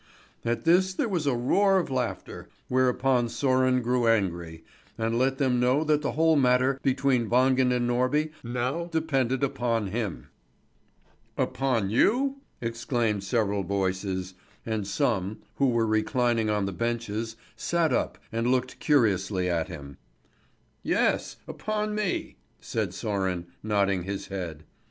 At this there was a roar of laughter, whereupon Sören grew angry, and let them know that the whole matter between Wangen and Norby now depended upon him. "Upon you?" exclaimed several voices; and some, who were reclining on the benches, sat up and looked curiously at him. "Yes, upon me," said Sören, nodding his head.